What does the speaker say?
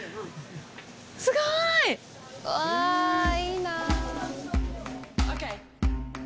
すごい！うわいいなぁ。